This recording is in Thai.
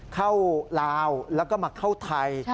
ลาวแล้วก็มาเข้าไทย